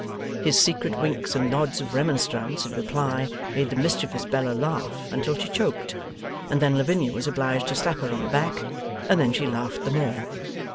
His secret winks and nods of remonstrance, in reply, made the mischievous Bella laugh until she choked, and then Lavinia was obliged to slap her on the back, and then she laughed the more.